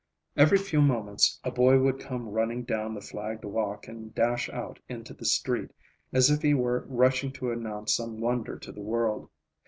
Every few moments a boy would come running down the flagged walk and dash out into the street as if he were rushing to announce some wonder to the world.